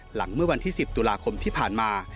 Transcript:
หลังเมื่อวันที่๑๐ตุลาคมที่ผ่านมา